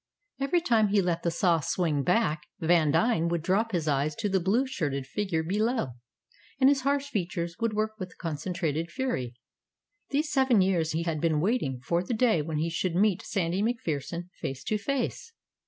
Every time he let the saw swing back, Vandine would drop his eyes to the blue shirted figure below, and his harsh features would work with concentrated fury. These seven years he had been waiting for the day when he should meet Sandy MacPherson face to face.